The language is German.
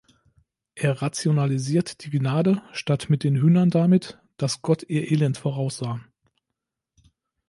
Er rationalisiert die Gnade statt mit den Hühnern damit, dass Gott "ihr Elend voraussah".